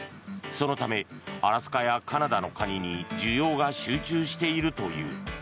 そのためアラスカやカナダのカニに需要が集中しているという。